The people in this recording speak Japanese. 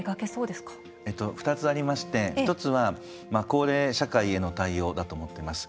２つありまして一つは高齢社会への対応だと思ってます。